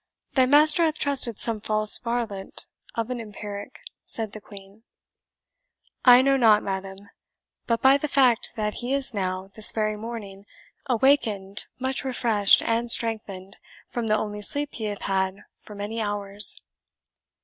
"Thy master hath trusted some false varlet of an empiric," said the Queen. "I know not, madam, but by the fact that he is now this very morning awakened much refreshed and strengthened from the only sleep he hath had for many hours."